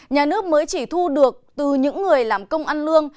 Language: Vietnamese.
nhà nước mới chỉ thu được từ những người làm công ăn lương